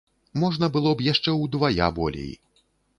Можна было б яшчэ ўдвая болей.